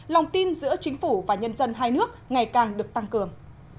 lòng tin giữa chính phủ và nhân dân hai nước ngày càng được tăng cường